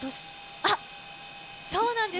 あっ、そうなんです。